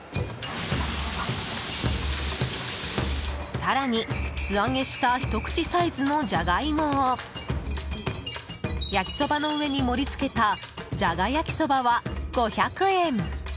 更に、素揚げしたひと口サイズのジャガイモを焼きそばの上に盛りつけたじゃがやきそばは、５００円。